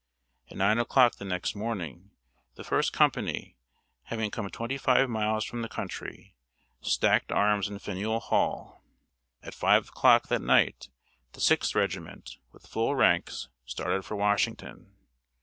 At 9 o'clock the next morning, the first company, having come twenty five miles from the country, stacked arms in Faneuil Hall. At 5 o'clock that night the Sixth Regiment, with full ranks, started for Washington.